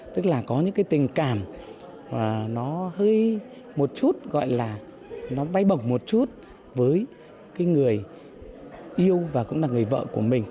tức là có những cái tình cảm nó hơi một chút gọi là nó bay bổng một chút với cái người yêu và cũng là người vợ của mình